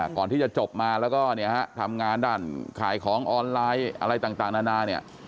ก่อนที่จะจบมาแล้วก็ทำงานด้านขายของออนไลน์อะไรต่างนานา